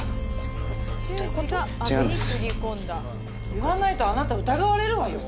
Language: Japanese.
言わないとあなた疑われるわよ。